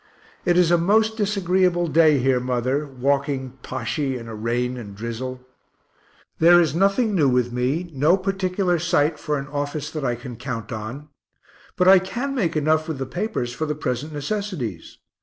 It is a most disagreeable day here, mother, walking poshy and a rain and drizzle. There is nothing new with me, no particular sight for an office that I can count on. But I can make enough with the papers, for the present necessities.